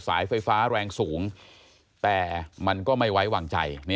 สายไฟฟ้าแรงสูงแต่มันก็ไม่ไว้วางใจ